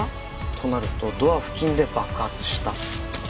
となるとドア付近で爆発した？